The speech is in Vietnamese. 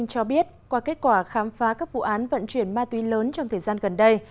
cho biết qua kết quả khám phá các vụ án vận chuyển ma túy lớn trong thời gian gần đây